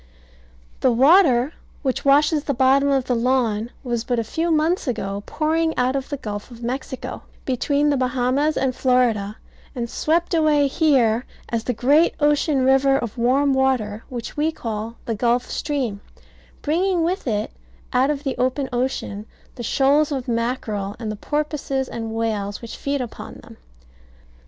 The water which washes the bottom of the lawn was but a few months ago pouring out of the Gulf of Mexico, between the Bahamas and Florida, and swept away here as the great ocean river of warm water which we call the Gulf Stream, bringing with it out of the open ocean the shoals of mackerel, and the porpoises and whales which feed upon them.